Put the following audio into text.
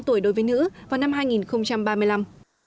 hai tuổi đối với nữ vào năm hai nghìn ba mươi năm